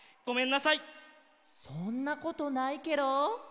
そんなことないケロ。